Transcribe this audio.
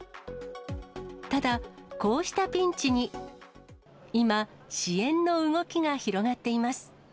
ただ、こうしたピンチに、今、支援の動きが広がっています。